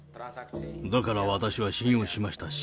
だから私は信用しましたし、